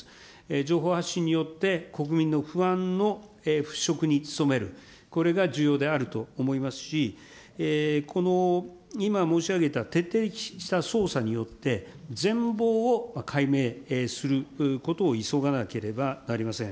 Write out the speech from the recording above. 情報発信によって国民の不安の払拭に努める、これが重要であると思いますし、今申し上げた徹底した捜査によって、全貌を解明することを急がなければなりません。